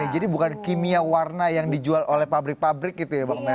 jadi bukan kimia warna yang dijual oleh pabrik pabrik gitu ya mbak meri